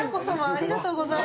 ありがとうございます。